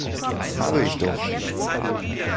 Habe ich doch!